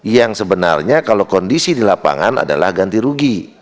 yang sebenarnya kalau kondisi di lapangan adalah ganti rugi